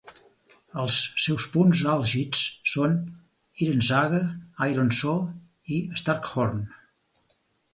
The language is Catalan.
Els seus punts àlgids són "Irensaga". "Iron Saw" i "Starkhorn".